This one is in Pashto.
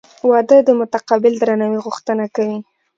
• واده د متقابل درناوي غوښتنه کوي.